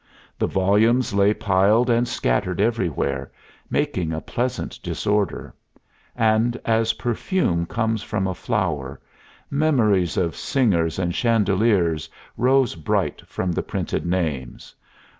The volumes lay piled and scattered everywhere, making a pleasant disorder; and, as perfume comes from a flower, memories of singers and chandeliers rose bright from the printed names.